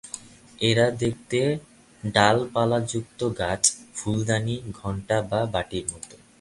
এরা দেখতে ডাল-পালালাযুক্ত গাছ, ফুলদানি, ঘন্টা বা বাটির মতো।